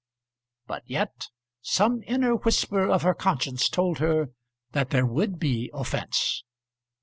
But yet some inner whisper of her conscience told her that there would be offence.